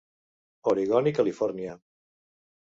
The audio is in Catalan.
Oregon i Califòrnia.